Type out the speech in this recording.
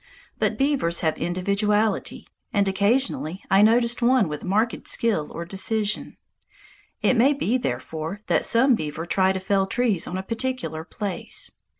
But beavers have individuality, and occasionally I noticed one with marked skill or decision. It may be, therefore, that some beaver try to fell trees on a particular place.